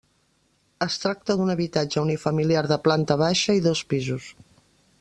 Es tracta d'un habitatge unifamiliar de planta baixa i dos pisos.